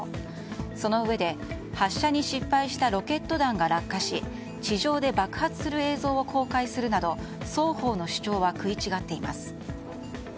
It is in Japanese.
そのうえで発射に失敗したロケット弾が落下し地上で爆発する映像を公開するなど双方の主張は食い違っています。